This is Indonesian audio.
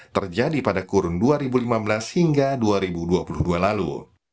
terjadi pada kurun dua ribu lima belas hingga dua ribu dua puluh dua lalu